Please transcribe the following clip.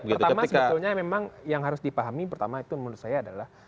pertama sebetulnya memang yang harus dipahami pertama itu menurut saya adalah